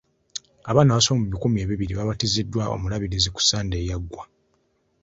Abaana abasoba mu bikumi ebibiri baabatiziddwa omulabirizi ku sande eyaggwa.